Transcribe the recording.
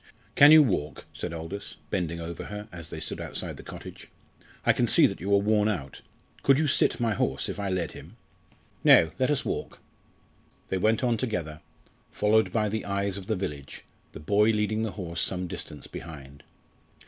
"Can you walk?" said Aldous, bending over her, as they stood outside the cottage. "I can see that you are worn out. Could you sit my horse if I led him?" "No, let us walk." They went on together, followed by the eyes of the village, the boy leading the horse some distance behind.